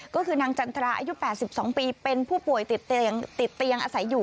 ก็คือนางจันทราอายุ๘๒ปีเป็นผู้ป่วยติดเตียงอาศัยอยู่